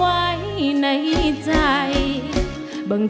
เพลงแรกของเจ้าเอ๋ง